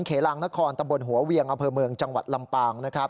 เขลางนครตำบลหัวเวียงอำเภอเมืองจังหวัดลำปางนะครับ